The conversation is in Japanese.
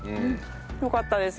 よかったです